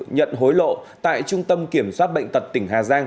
nhận hối lộ tại trung tâm kiểm soát bệnh tật tỉnh hà giang